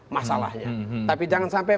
masalahnya tapi jangan sampai